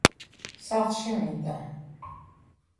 saxlshi minda